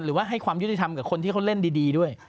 ให้ความยุติธรรมกับคนที่เขาเล่นดีด้วย